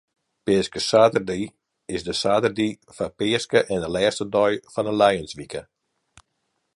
Peaskesaterdei is de saterdei foar Peaske en de lêste dei fan de lijenswike.